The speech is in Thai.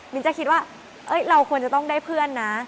จะคิดว่าเราควรจะต้องได้เพื่อนนะ